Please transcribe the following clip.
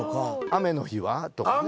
雨の日は？とかね。